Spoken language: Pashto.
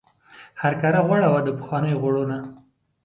هرکاره غوړه وه د پخوانیو غوړو نه.